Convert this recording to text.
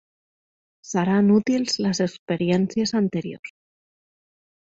Seran útils les experiències anteriors.